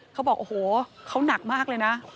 เขาบอกโอ้โหเขาหนักมากเลยนะ